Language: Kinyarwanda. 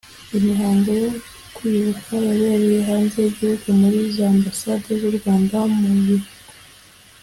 Imihango yo kwibuka yabereye hanze y igihugu muri za ambassade z u Rwanda mu Bihugu